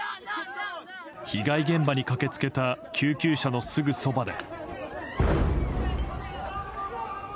被害現場に駆けつけた救急車のすぐそばで。